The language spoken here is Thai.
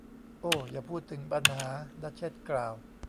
โอ้ อย่าพูดถึงปัญหา ! ดัชเชสกล่าว